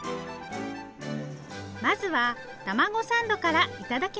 まずはたまごサンドから頂きましょう。